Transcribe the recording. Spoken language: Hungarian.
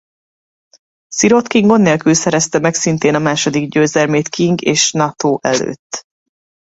Szirotkin gond nélkül szerezte meg szintén a második győzelmét King és Nato előtt.